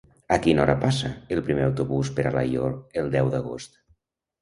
A quina hora passa el primer autobús per Alaior el deu d'agost?